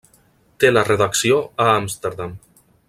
Té la redacció a Amsterdam.